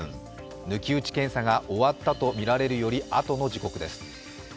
抜き打ち検査が終わったとみられるよりあとの時刻です。